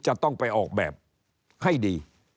จะต้องไปออกแบบให้ดี